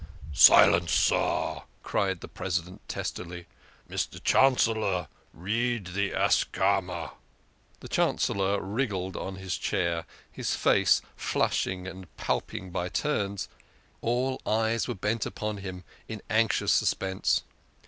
" Silence, sir," cried the President testily. " Mr. Chan cellor, read the Ascama" The Chancellor wriggled on his chair, his face flushing and paling by turns ; all eyes were bent upon him in anxious suspense.